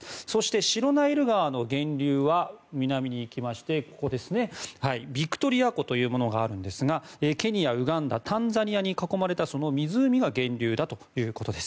白ナイル川の源流は南に行きましてビクトリア湖というものがあるんですがケニア、ウガンダタンザニアに囲まれたその湖が源流だということです。